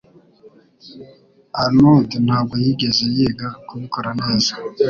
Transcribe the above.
Arnaud ntabwo yigeze yiga kubikora neza.